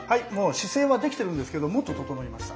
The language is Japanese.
姿勢はできてるんですけどもっと整いました。